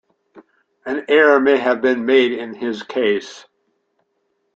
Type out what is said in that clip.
An error may have been made in his case.